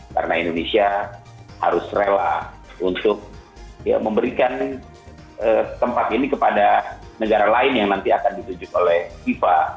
karena indonesia harus rela untuk memberikan tempat ini kepada negara lain yang nanti akan ditujuk oleh fifa